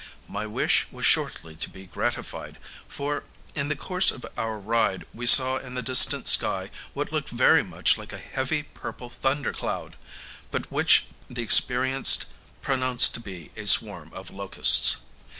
My wish was shortly to be gratified; for, in the course of our ride, we saw in the distant sky what looked very much like a heavy purple thunder cloud, but which the experienced pronounced to be a swarm of locusts.